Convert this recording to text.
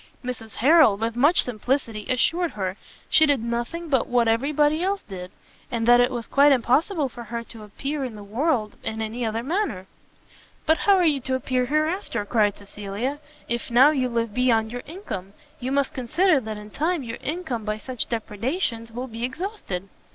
Mrs Harrel, with much simplicity, assured her she did nothing but what every body else did, and that it was quite impossible for her to appear in the world in any other manner. "But how are you to appear hereafter?" cried Cecilia, "if now you live beyond your income, you must consider that in time your income by such depredations will be exhausted."